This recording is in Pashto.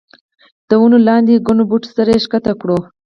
د ونو لاندې ګڼو بوټو سره یې ښکته کړو.